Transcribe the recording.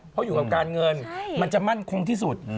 เพราะอยู่กับการเงินมันจะมั่นคงที่สุด